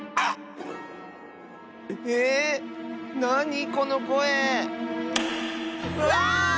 なにこのこえ⁉うわあっ！